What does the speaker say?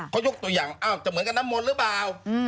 เขายกตัวอย่างอ้าวจะเหมือนกับน้ำมนต์หรือเปล่า